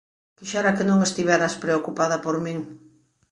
Quixera que non estiveras preocupada por min.